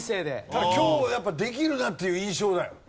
ただ今日やっぱできるなっていう印象だよ。